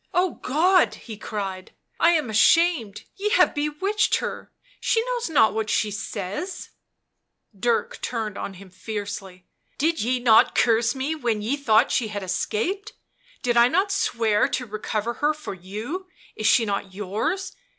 11 Oh God ! 77 he cried. tc I am ashamed — ye have bewitched her — she knows not what she says . 77 Dirk turned on him fiercely. " Did ye not curse me when ye thought she had escaped? did I not swear to recover her for you? is she not yours?